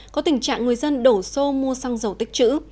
có tình trạng người dân đổ xô mua xăng dầu tích chữ